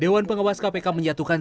ya pergerakan hukum